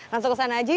langsung kesana aja yuk